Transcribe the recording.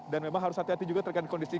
dan memang harus hati hati juga terkait kondisi